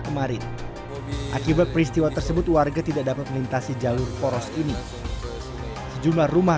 kemarin akibat peristiwa tersebut warga tidak dapat melintasi jalur poros ini sejumlah rumah